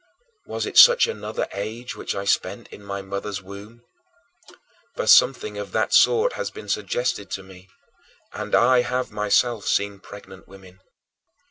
Was it such another age which I spent in my mother's womb? For something of that sort has been suggested to me, and I have myself seen pregnant women.